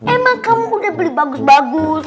emang kamu udah beli bagus bagus